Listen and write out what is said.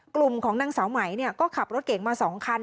กลุ่มของนางสาวไหมก็ขับรถเก่งมา๒คัน